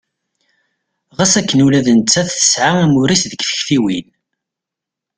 Ɣas akken ula d nettat tesɛa amur-is deg tiktiwin.